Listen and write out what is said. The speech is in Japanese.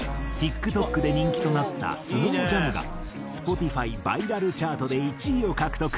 ＴｉｋＴｏｋで人気となった『ｓｎｏｗｊａｍ』がＳｐｏｔｉｆｙバイラルチャートで１位を獲得。